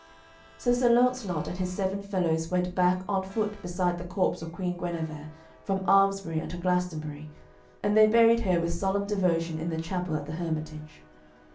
So Sir Launcelot and his seven fellows went back on foot beside the corpse of Queen Guenever from Almesbury unto Glastonbury, and they buried her with solemn devotion in the chapel at the hermitage.